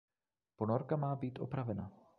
Ponorka má být opravena.